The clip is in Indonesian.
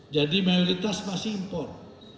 jadi mayoritas masih import